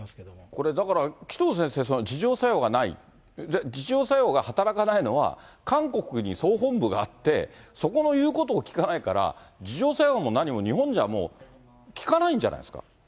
これ、だから紀藤先生、自浄作用がない、自浄作用が働かないのは、韓国に総本部があって、そこも言うことを聞かないから、自浄作用も何も日本じゃもう効かないんじゃないですか。